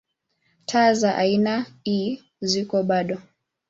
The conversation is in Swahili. Taa za aina ii ziko bado.